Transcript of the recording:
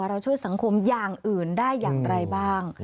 เราช่วยสังคมอย่างอื่นได้อย่างไรบ้าง